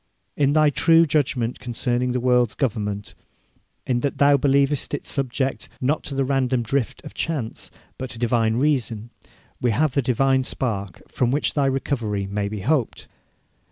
In thy true judgment concerning the world's government, in that thou believest it subject, not to the random drift of chance, but to divine reason, we have the divine spark from which thy recovery may be hoped.